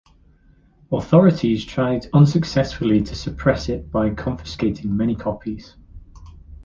Authorities tried unsuccessfully to suppress it by confiscating many copies.